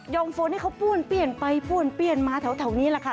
ฝนที่เขาป้วนเปี้ยนไปป้วนเปี้ยนมาแถวนี้แหละค่ะ